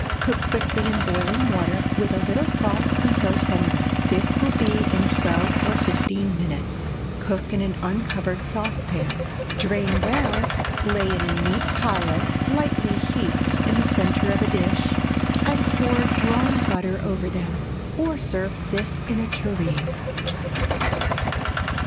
Cook quickly in boiling water, with a little salt, until tender. This will be in twelve or fifteen minutes. Cook in an uncovered saucepan. Drain well, lay in a neat pile lightly heaped in the centre of a dish, and pour drawn butter over them, or serve this in a tureen.